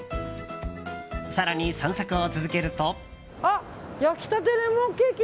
更に散策を続けると。